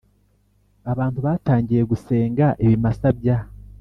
Abantu batangiye gusenga ibimasa bya